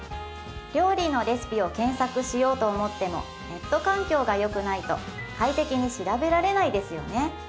料理のレシピを検索しようと思ってもネット環境がよくないと快適に調べられないですよね